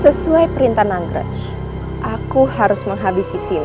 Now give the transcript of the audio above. sesuai perintah nanggrach aku harus menghabisi sinta